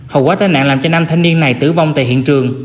hầu quá tai nạn làm cho nam thanh niên này tử vong tại hiện trường